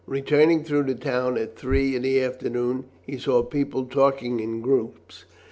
Returning through the town at three in the afternoon, he saw people talking in groups.